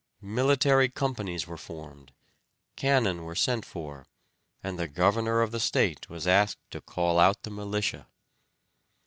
Military companies were formed, cannon were sent for, and the governor of the state was asked to call out the militia.